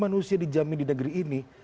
manusia dijamin di negeri ini